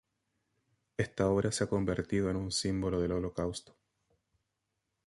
Esta obra se ha convertido en un símbolo del holocausto.